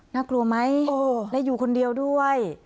น่ากลัวไหมและอยู่คนเดียวด้วย